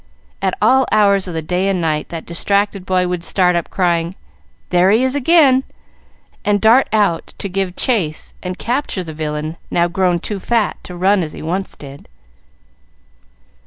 At all hours of the day and night that distracted boy would start up, crying, "There he is again!" and dart out to give chase and capture the villain now grown too fat to run as he once did.